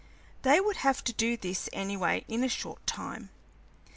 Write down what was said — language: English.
They would have to do this anyway in a short time.